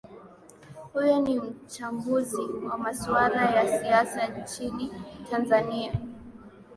huyo ni mchambuzi wa masuala ya siasa nchini tanzania